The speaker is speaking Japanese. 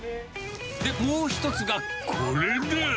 で、もう一つがこれだ。